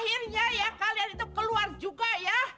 akhirnya ya kalian itu keluar juga ya